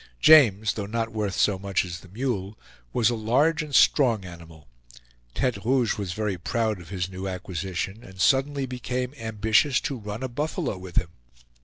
James, though not worth so much as the mule, was a large and strong animal. Tete Rouge was very proud of his new acquisition, and suddenly became ambitious to run a buffalo with him.